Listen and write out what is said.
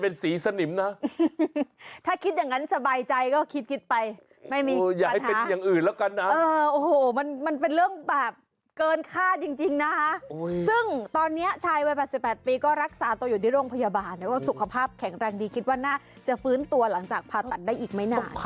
เพราะนายคือเพื่อนที่ดีที่สุดของฉัน